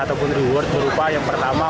ataupun reward berupa yang pertama